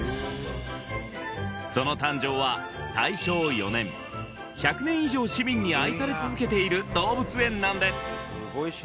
その誕生は大正４年１００年以上市民に愛され続けている動物園なんです